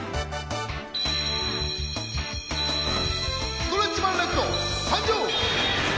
ストレッチマンレッドさんじょう！